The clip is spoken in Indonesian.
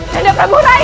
jangan tempat rambu rai